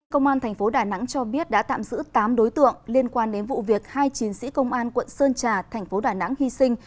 công an tp đà nẵng cho biết đã tạm giữ tám đối tượng liên quan đến vụ việc hai chiến sĩ công an quận sơn trà tp đà nẵng hy sinh